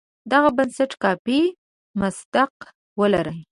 دغه بنسټ کافي مصداق ولري.